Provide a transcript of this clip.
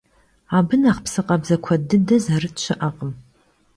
Abı nexh psı khabze kued dıde zerıt şı'ekhım.